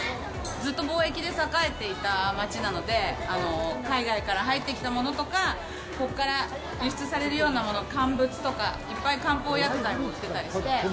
ずっと貿易で栄えていた街なので、海外から入ってきたものとか、ここから輸出されるようなもの、乾物とか、いっぱい漢方薬剤も売ってたりして。